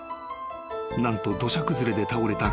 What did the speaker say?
［何と土砂崩れで倒れた］